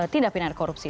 tindak pindahan korupsi